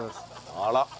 あら。